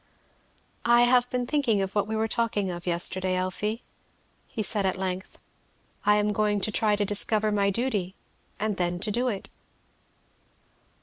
"I have been thinking of what we were talking of yesterday, Elfie," he said at length. "I am going to try to discover my duty, and then to do it."